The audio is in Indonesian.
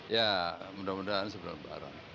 ya mudah mudahan sebelum lebaran